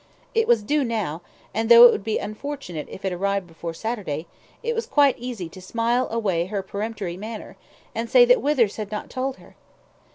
It was due now, and though it would be unfortunate if it arrived before Saturday, it was quite easy to smile away her peremptory manner, and say that Withers had not told her.